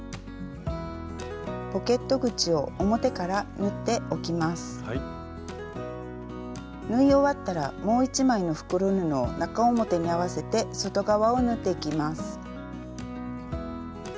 縫い終わったらもう一枚の袋布を中表に合わせて外側を縫っていきます。